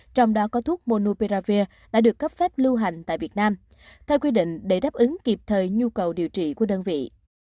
trong đó có thuốc monoperavir đã được cấp phép lưu hành tại việt nam theo quy định để đáp ứng kịp thời nhu cầu điều trị của đơn vị